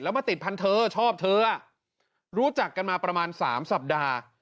มาติดพันธุ์ชอบเธอรู้จักกันมาประมาณ๓สัปดาห์